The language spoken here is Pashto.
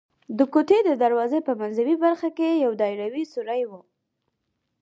د کوټې د دروازې په منځوۍ برخه کې یو دایروي سوری و.